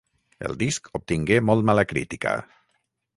El disc obtingué molt mala crítica.